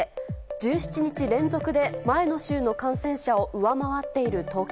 １７日連続で前の週の感染者を上回っている東京。